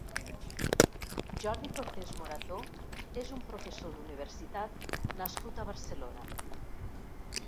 Jordi Cortés Morató és un professor d'universitat nascut a Barcelona.